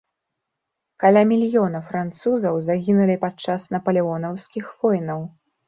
Каля мільёна французаў загінулі падчас напалеонаўскіх войнаў.